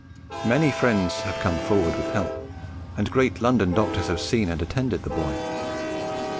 "Many friends have come forward with help, and great London doctors have seen and attended the boy.